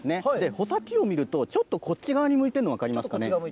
穂先を見ると、ちょっとこっち側に向いてるの分かりますかね。